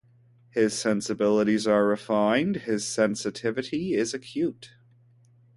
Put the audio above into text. His sensibilities are refined; his sensitivity is acute.